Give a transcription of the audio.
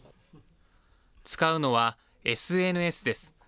使うのは、ＳＮＳです。